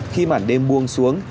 khi màn đêm buông xuống